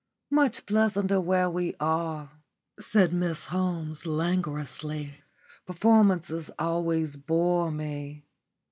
"Much pleasanter where we are," said Miss Holmes, languorously. "Performances always bore me."